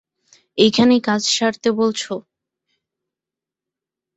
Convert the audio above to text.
এখানেই কাজ সারতে বলছো?